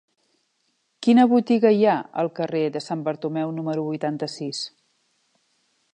Quina botiga hi ha al carrer de Sant Bartomeu número vuitanta-sis?